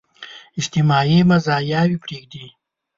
اجتماعي مزاياوې پرېږدي.